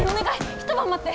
一晩待って！